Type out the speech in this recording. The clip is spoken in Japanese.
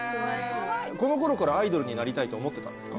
この頃からアイドルになりたいとは思ってたんですか？